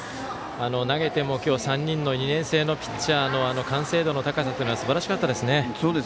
投げても３人の２年生のピッチャーの完成度の高さというはすばらしかったですね。